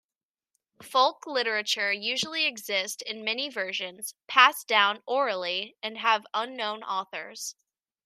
Folk literature usually exist in many versions, passed down orally, and have unknown authors.